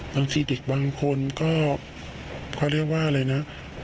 บางทีเด็กบางคนก็เขาเรียกว่าอะไรนะ